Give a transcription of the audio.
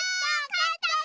かったぐ。